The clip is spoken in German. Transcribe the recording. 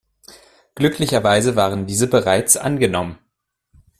Glücklicherweise waren diese bereits angenommen.